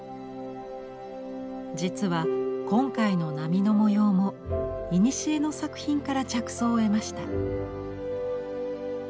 実は今回の波の模様もいにしえの作品から着想を得ました。